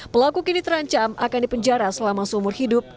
pelaku kini terancam akan dipenjara selama seumur hidup